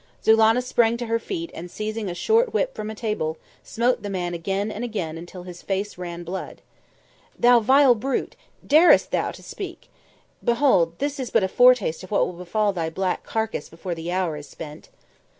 Zulannah sprang to her feet and, seizing a short whip from a table, smote the man again and again until his face ran blood. "Thou vile brute, darest thou so to speak! Behold, this is but a foretaste of what will befall thy black carcase before the hour is spent."